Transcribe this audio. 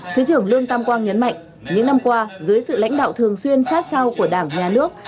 thứ trưởng lương tam quang nhấn mạnh những năm qua dưới sự lãnh đạo thường xuyên sát sao của đảng nhà nước